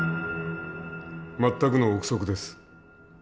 全くの臆測です。